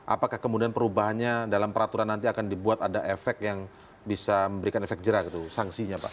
apakah kemudian perubahannya dalam peraturan nanti akan dibuat ada efek yang bisa memberikan efek jerah gitu sanksinya pak